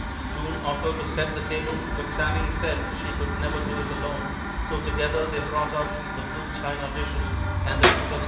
June offered to set the table, but Sammy said she could never do it alone, so together they brought out the blue china dishes and the pewter plates.